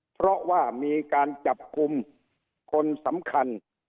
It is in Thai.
เพราะว่ามีการจับกลุ่มคนสำคัญ